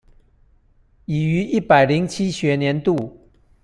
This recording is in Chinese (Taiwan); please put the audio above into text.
已於一百零七學年度